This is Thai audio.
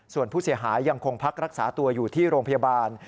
ส่วนผู้เสียหายยังคงพักรักษาตัวอยู่ที่โรงพยาบาล